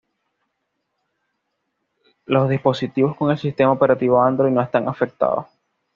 Los dispositivos con el sistema operativo Android no están afectados.